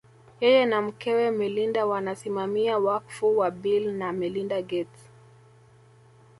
Yeye na mkewe Melinda wanasimamia wakfu wa Bill na Melinda Gates